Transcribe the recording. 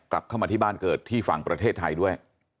กลับเข้ามาที่บ้านเกิดที่ฝั่งประเทศไทยด้วย